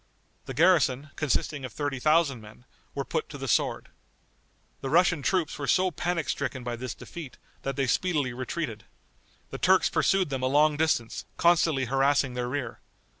The garrison, consisting of thirty thousand men, were put to the sword. The Russian troops were so panic stricken by this defeat, that they speedily retreated. The Turks pursued them a long distance, constantly harassing their rear.